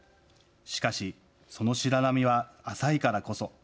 しかし、その白波は浅いからこそ。